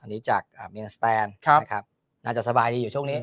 อันนี้จากเมียนสแตนนะครับน่าจะสบายดีอยู่ช่วงนี้